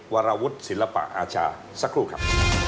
การระวุธศิลปะอาชาสักครู่ครับ